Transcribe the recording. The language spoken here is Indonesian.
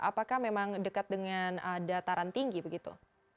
apakah memang dekat dengan dataran tinggi begitu